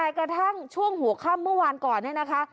แต่กระทั่งช่วงหัวค่ำเมื่อวานก่อนเนี่ยนะคะ